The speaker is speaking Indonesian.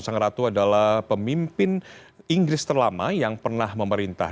sang ratu adalah pemimpin inggris terlama yang pernah memerintah